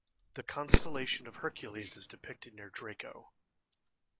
The constellation of Hercules is depicted near Draco.